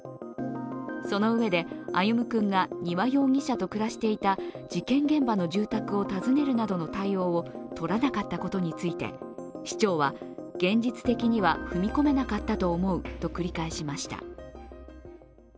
そのうえで、歩夢君が丹羽容疑者と暮らしていた事件現場の住宅を訪ねるなどの対応をとらなかったことについて市長は、現実的には踏み込めなかったと思うと繰り返しました。